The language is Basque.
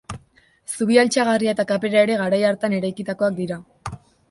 Zubi altxagarria eta kapera ere garai hartan eraikitakoak dira.